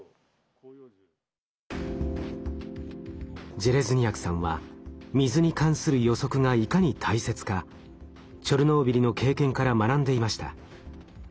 ジェレズニヤクさんは水に関する予測がいかに大切かチョルノービリの経験から学んでいました。